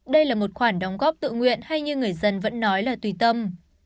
đây là một khoản đóng góp tự nguyện hay như người dân vẫn nói là tùy tâm